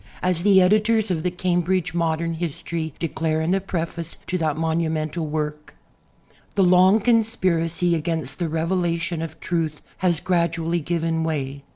As the editors of the "Cambridge Modern History" declare in the preface to that monumental work: The long conspiracy against the revelation of truth has gradually given way.